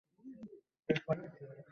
মনকাডার হয়ে কাজ কিন্তু আমি করছি না।